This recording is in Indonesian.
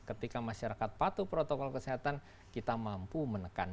ketika masyarakat patuh protokol kesehatan kita mampu menekan